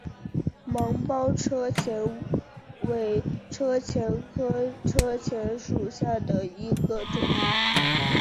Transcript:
芒苞车前为车前科车前属下的一个种。